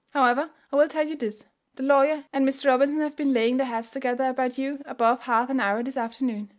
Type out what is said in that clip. However, I will tell you this: the lawyer and Mr. Robinson have been laying their heads together about you above half an hour this afternoon.